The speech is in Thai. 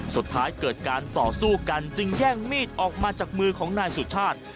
สุดท้ายเกิดการต่อสู้กันจึงแย่งมีดออกมาจากมือของนายสุชาติ